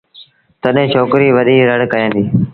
تڏهيݩ ڇوڪريٚ وڏيٚ رڙ ڪيآݩدي